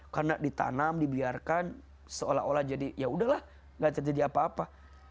karena ditanam dibiarkan seolah olah jadi yaudah lah gak jadi apa apa